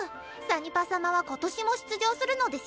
サニパ様は今年も出場するのですよ。